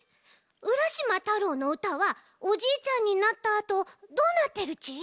「浦島太郎」のうたはおじいちゃんになったあとどうなってるち？